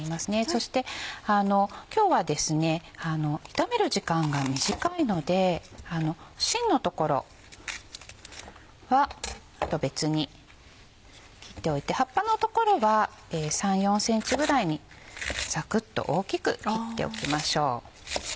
そして今日は炒める時間が短いので芯の所は別に切っておいて葉っぱの所は３４ｃｍぐらいにざくっと大きく切っておきましょう。